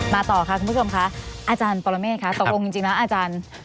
ต่อค่ะคุณผู้ชมค่ะอาจารย์ปรเมฆค่ะตกลงจริงแล้วอาจารย์